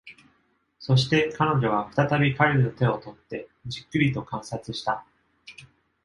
そして彼女は再び彼の手を取ってじっくりと観察した。